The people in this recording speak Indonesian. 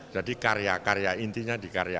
jadi karya karya intinya di karya